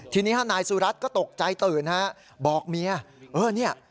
ทีนี้ฮะนายสุรัตน์ก็ตกใจตื่นฮะบอกเมียเออเนี่ย